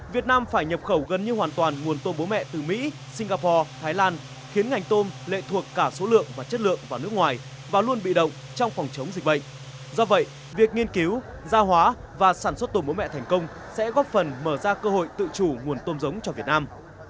việc nghiên cứu gia hóa và sản xuất tôm bố mẹ thành công sẽ góp phần mở ra cơ hội tự chủ nguồn tôm giống cho việt nam